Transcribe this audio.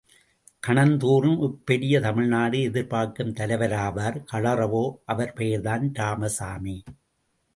கணந்தோறும் இப்பெரிய தமிழ்நாடு எதிர்பார்க்கும் தலைவராவார் கழறவோ அவர் பெயர்தான் இராமசாமி!